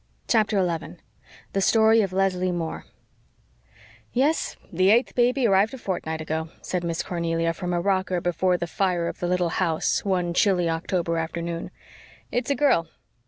CHAPTER 11 THE STORY OF LESLIE MOORE "Yes, the eighth baby arrived a fortnight ago," said Miss Cornelia, from a rocker before the fire of the little house one chilly October afternoon. "It's a girl.